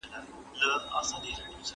خدای ته دعا زوال د موسيقۍ نه غواړم